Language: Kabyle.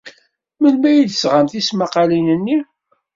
Melmi ay d-tesɣam tismaqqalin-nni?